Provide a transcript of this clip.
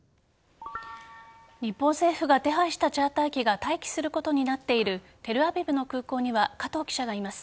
日本政府が手配したチャーター機が待機することになっているテルアビブの空港には加藤記者がいます。